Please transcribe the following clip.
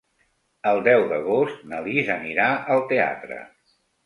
El deu d'agost na Lis anirà al teatre.